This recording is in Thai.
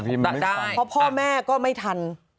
เพราะพ่อแม่ก็ไม่ทัน